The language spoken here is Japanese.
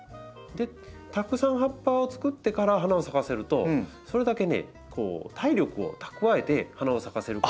たくさん葉っぱを作ってから花を咲かせるとそれだけね体力を蓄えて花を咲かせるから。